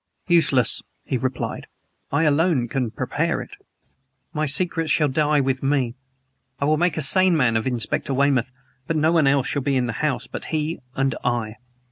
"Useless," he replied. "I alone can prepare it. My secrets shall die with me. I will make a sane man of Inspector Weymouth, but no one else shall be in the house but he and I."